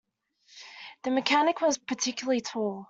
The mechanic was particularly tall.